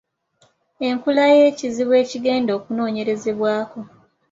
Enkula y’ekizibu ekigenda okunoonyerezebwako.